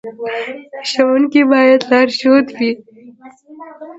ښوونکی باید لارښود وي